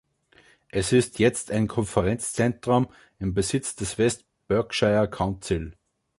Es ist jetzt ein Konferenzzentrum im Besitz des West Berkshire Council.